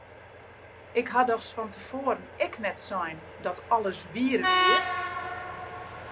Ik ha dochs fan te foaren ek net sein dat alles wier wie!